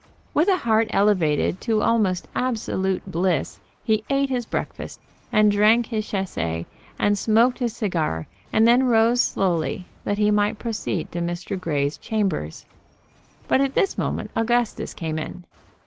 With a heart elevated to almost absolute bliss he ate his breakfast, and drank his chasse, and smoked his cigar, and then rose slowly, that he might proceed to Mr. Grey's chambers. But at this moment Augustus came in.